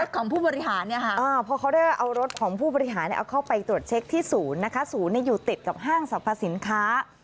ของผู้บริหารพอเขาได้เอารถของผู้บริหารเอาเข้าไปตรวจเช็คที่ศูนย์นะคะศูนย์อยู่ติดกับห้างสรรพสินค้า